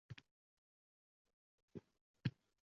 demak nimadur xato.